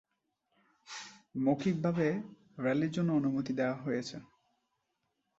মৌখিকভাবে র্যালির জন্য অনুমতি দেওয়া হয়েছে।